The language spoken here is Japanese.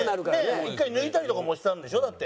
１回抜いたりとかもしたんでしょだって。